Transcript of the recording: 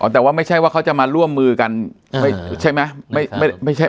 แต่ว่าไม่ใช่ว่าเขาจะมาร่วมมือกันใช่ไหม